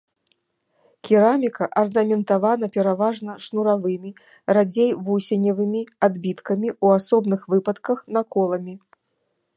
Кераміка арнаментавана пераважна шнуравымі, радзей вусеневымі адбіткамі, у асобных выпадках наколамі.